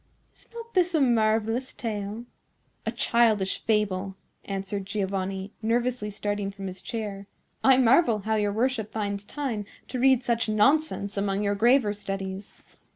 Is not this a marvellous tale?" "A childish fable," answered Giovanni, nervously starting from his chair. "I marvel how your worship finds time to read such nonsense among your graver studies."